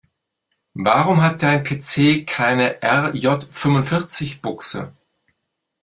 Warum hat dein PC keine RJ-fünfundvierzig-Buchse?